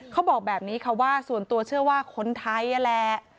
เขาบอกแบบนี้ค่ะว่าส่วนตัวเชื่อว่าคนไทยนั่นแหละ